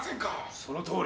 そのとおり。